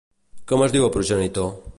Com es diu el progenitor?